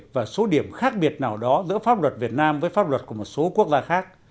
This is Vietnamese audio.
và số điểm khác biệt nào đó giữa pháp luật việt nam với pháp luật của một số quốc gia khác